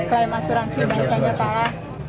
klim asuransi makanya para